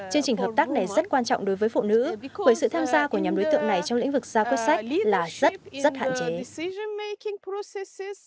chương trình hợp tác này rất quan trọng đối với phụ nữ bởi sự tham gia của nhóm đối tượng này trong lĩnh vực gia quyết sách là rất rất hạn chế